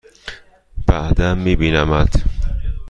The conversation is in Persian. بعدا می بینمت!